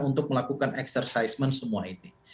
untuk melakukan exercisement semua ini